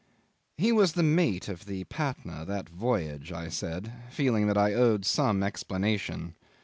'"He was the mate of the Patna that voyage," I said, feeling that I owed some explanation.